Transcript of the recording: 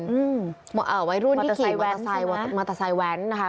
อืมเอ่อวัยรุ่นที่กลีบมอเตอร์ไซด์แว้นนะคะ